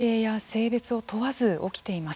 性暴力の被害は年齢や性別を問わず起きています。